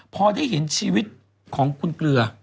พอได้เห็นชีวิตของคุณเกลือ